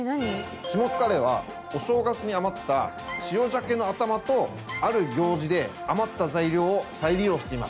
しもつかれはお正月に余った塩鮭の頭とある行事で余った材料を再利用しています。